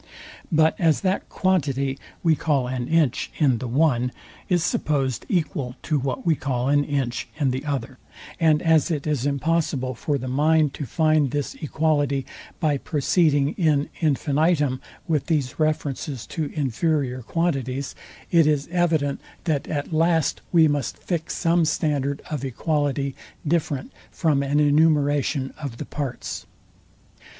But as that quantity we call an inch in the one is supposed equal to what we call an inch in the other, and as it is impossible for the mind to find this equality by proceeding in infinitum with these references to inferior quantities: it is evident, that at last we must fix some standard of equality different from an enumeration of the parts.